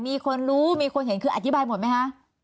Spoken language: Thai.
มีคนรู้มีคนเห็นคืออธิบายหมดไหมคะ